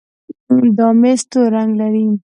دا ميز تور رنګ لري.